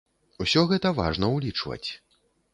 Усё гэта важна ўлічваць.